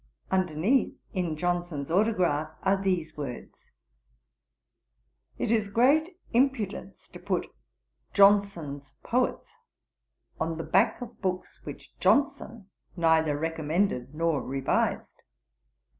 'Underneath, in Johnson's autograph, are these words: "It is great impudence to put Johnson's Poets on the back of books which Johnson neither recommended nor revised.